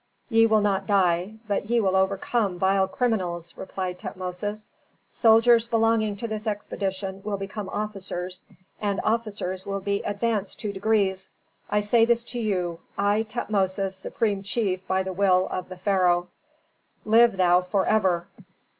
"Ye will not die, but ye will overcome vile criminals," replied Tutmosis. "Soldiers belonging to this expedition will become officers, and officers will be advanced two degrees. I say this to you, I, Tutmosis, supreme chief by the will of the pharaoh." "Live thou forever!"